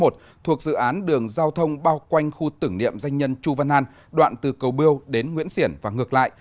thuộc dự án đường giao thông bao quanh khu tửng niệm danh nhân chu văn an đoạn từ cầu biêu đến nguyễn xiển và ngược lại